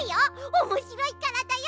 おもしろいからだよ。